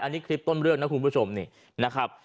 อันนี้คลิปต้นเรื่องนะคุณผู้ชมนี่นะครับ